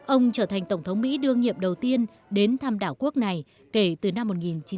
ông trở thành tổng thống mỹ đương nhiệm đầu tiên đến thăm đảo quốc này kể từ năm một nghìn chín trăm chín mươi